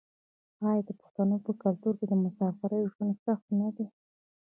آیا د پښتنو په کلتور کې د مسافرۍ ژوند سخت نه دی؟